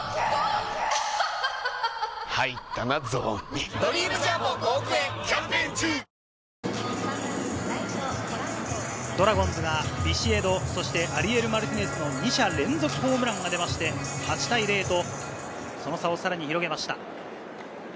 ピッチャドラゴンズがビシエド、アリエル・マルティネスの２者連続ホームランが出て、８対０とその差をさらに広げました。